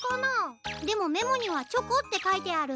でもメモにはチョコってかいてある。